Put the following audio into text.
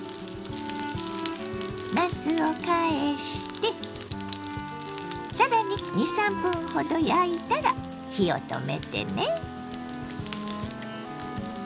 なすを返して更に２３分ほど焼いたら火を止めてね。